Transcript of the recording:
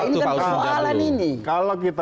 ini kan persoalan ini